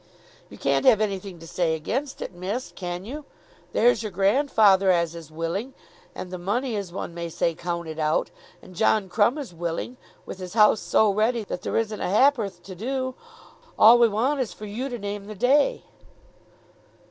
"You can't have anything to say against it, miss; can you? There's your grandfather as is willing, and the money as one may say counted out, and John Crumb is willing, with his house so ready that there isn't a ha'porth to do. All we want is for you to name the day."